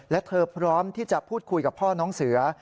และเธอพร้อมที่จะพูดคุยกับพ่อน้องเสือ